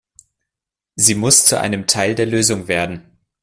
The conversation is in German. Sie muss zu einem Teil der Lösung werden.